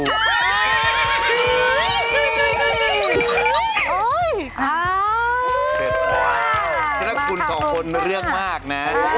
เสร็จแล้วคุณสองคนเรื่องมากนะ